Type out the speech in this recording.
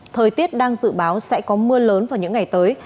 thời tiết đang dự báo sẽ có mưa lớn vào những ngày tới